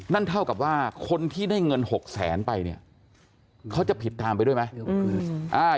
นั่นเท่ากับว่าคนที่ได้เงิน๖แสนไปเนี่ยเขาจะผิดตามไปด้วยไหม